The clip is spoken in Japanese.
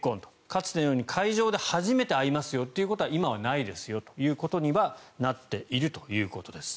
かつてのように会場で初めて会いますよってことは今はないですよということにはなっているということです。